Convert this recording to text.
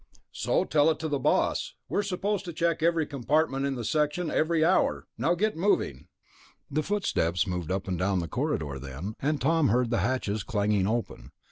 "So tell it to the boss. We're supposed to check every compartment in the section every hour. Now get moving...." The footsteps moved up and down the corridor then, and Tom heard hatches clanging open.